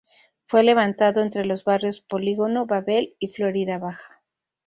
Fue levantado entre los barrios Polígono Babel y Florida Baja.